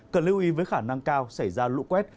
cần lưu ý với khả năng cao xảy ra lũ quét